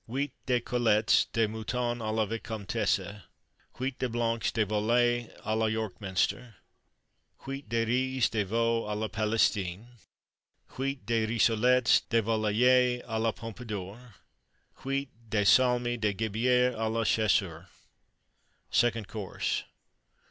Huit de Côtelettes de Mouton à la Vicomtesse. Huit de Blancs de Volaille à la York Minster. Huit de Riz de Veau à la Palestine. Huit de Rissolettes de Volaille à la Pompadour. Huit de Salmi de Gibier à la Chasseur. SECOND COURSE.